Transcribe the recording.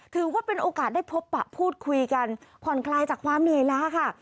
ถือว่าเป็นโอกาสได้พบปะพูดคุยกันผ่อนคลายจากความเหนื่อยล้าค่ะ